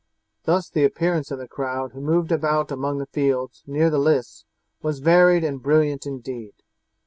Thus the appearance of the crowd who moved about among the fields near the lists was varied and brilliant indeed.